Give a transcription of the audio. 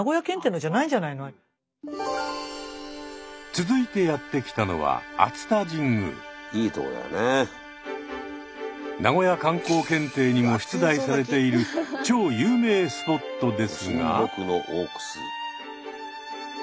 続いてやって来たのは名古屋観光検定にも出題されている超有名スポットですが。